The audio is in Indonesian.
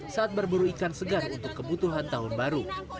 saat berburu ikan segar untuk kebutuhan tahun baru